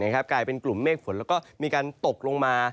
กลายเป็นกลุ่มเมฆฝนแล้วก็มีการตกลงมา